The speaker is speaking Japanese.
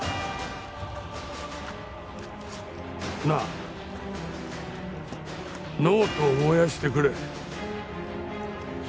なあノートを燃やしてくれ。